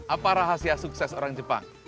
apa rahasia sukses orang jepang